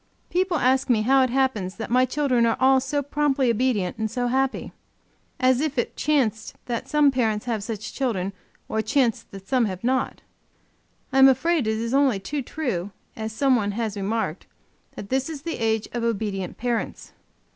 People ask me how it happens that my children are all so promptly obedient and so happy. As if it chanced that some parents have such children, or chanced that some have not! I am afraid it is only too true, as some one has remarked, that "this is the age of obedient parents!"